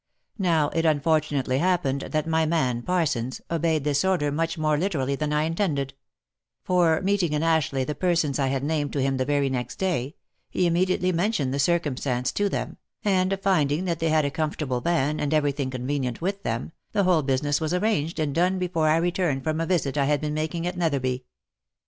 Now it unfortunately hap pened, that my man, Parsons, obeyed this order much more literally than I intended ; for meeting in Ashleigh the persons I had named to him the very next day, he immediately mentioned the circumstance to them, and finding that they had a comfortable van, and every thin° convenient with them, the whole business was arranged and done before I returned from a visit I had been making at Netherby.